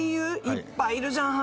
いっぱいいるじゃん